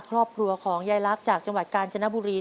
ครอบครัวของยายลักษณ์จากจังหวัดกาญจนบุรี